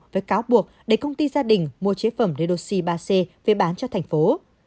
với cáo buộc để công ty gia đình mua chế phẩm redoxi ba c về bán cho thành phố